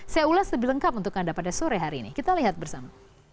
saya ulas lebih lengkap untuk anda pada sore hari ini kita lihat bersama